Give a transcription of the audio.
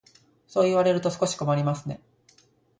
そう言われると少し困りますね。